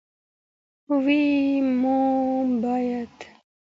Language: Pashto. وي موږ باید